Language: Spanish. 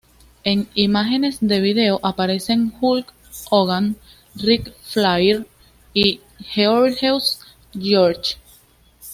En imágenes de vídeo aparecen Hulk Hogan, Ric Flair y Gorgeous George.